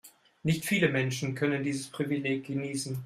Nicht viele Menschen können dieses Privileg genießen.